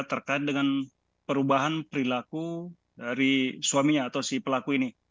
terkait dengan perubahan perilaku dari suaminya atau si pelaku ini